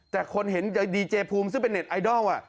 แต่คนเห็นใจดีเจภูมิซึ่งเป็นเน็ตไอดอล